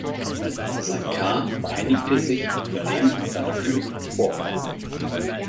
Sein Ka vereinigte sich mit dem seiner königlichen Vorfahren.